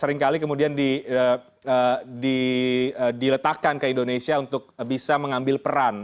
seringkali kemudian diletakkan ke indonesia untuk bisa mengambil peran